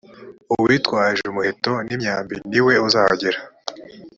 uwitwaje umuheto n imyambi ni we uzahagera